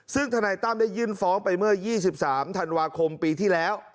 ซึ่งธนายตั้มได้ยื่นฟ้องไปเมื่อ๒๓ธันวาคมปีที่แล้ว